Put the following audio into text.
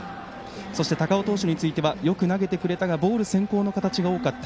そして、高尾投手についてはよく投げてくれたがボール先行の形が多かった。